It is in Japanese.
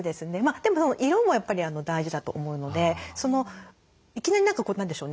でも色もやっぱり大事だと思うのでいきなり何か何でしょうね